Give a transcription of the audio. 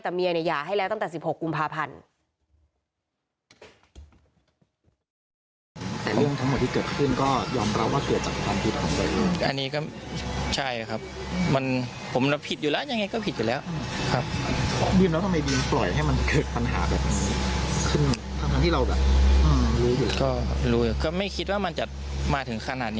แต่เมียหย่าให้แล้วตั้งแต่๑๖กุมภาพันธ์